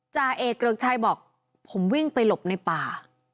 จ่าเอกเกริกชัยบอกผมวิ่งไปหลบในป่า